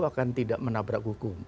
akan tidak menabrak hukum